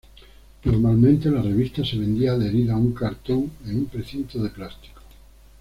Normalmente, la revista se vendía adherida a un cartón en un precinto de plástico.